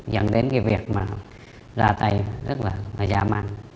dẫn đến cái việc mà ra tay rất là dã man